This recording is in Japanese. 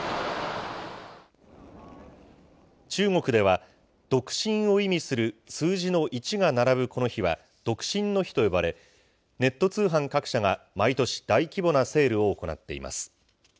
中国では、独身を意味する数字の１が並ぶこの日は独身の日と呼ばれ、ネット通販各社が毎年、大規模なセールを行っています。